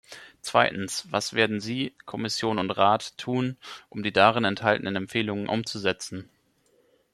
Zweitens, was werden Sie, Kommission und Rat, tun, um die darin enthaltenen Empfehlungen umzusetzen?